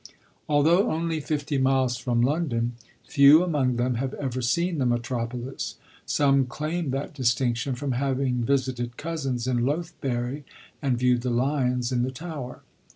Although only fifty VOL. I. B 3700 2 ' LODORE. miles from London, few among them have ever seen the metropolis. Some claim that distinc tion from having visited cousins in Lothbury and viewed the lions in the tower.